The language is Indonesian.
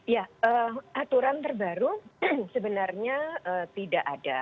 ya aturan terbaru sebenarnya tidak ada